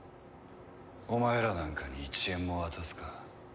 お前らなんかに１円も渡すか。